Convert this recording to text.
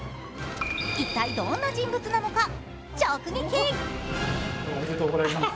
一体どんな人物なのか、直撃。